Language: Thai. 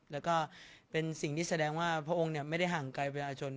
แล้วก็เป็นสิ่งที่แสดงว่าพระองค์ไม่ได้ห่างไกลประชาชน